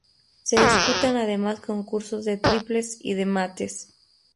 Se disputan además concursos de triples y de mates.